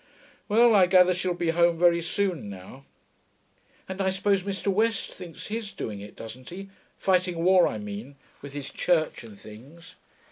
Well, I gather she'll be home very soon now.' 'And I suppose Mr. West thinks he's doing it, doesn't he fighting war, I mean, with his Church and things.'